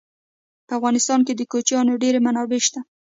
په افغانستان کې د کوچیانو ډېرې منابع شته.